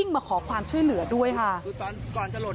ก็ขับมาเรื่อยนะครับแล้วทีนี้เวลาว่ารถมันติด